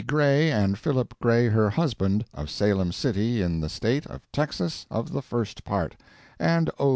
Gray And Philip Gray, her husband, Of Salem City in the State Of Texas, of the first part, And O.